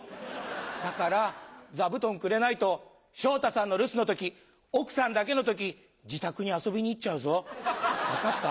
だから座布団くれないと昇太さんの留守の時奥さんだけの時自宅に遊びに行っちゃうぞ分かった？